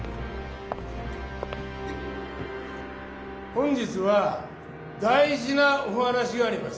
「本日は大じなお話があります。